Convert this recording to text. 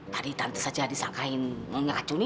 tadi tante saja disangkain ngacuni